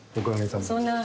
そんな。